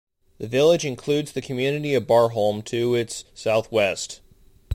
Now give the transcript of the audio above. The village includes the community of Barholme to its south-west.